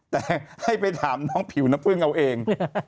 แต่ให้ไปถามน้องผิวน้ำพึ่งเอาเอง